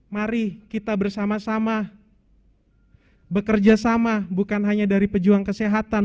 mari kita bersama sama bekerja sama bukan hanya dari pejuang kesehatan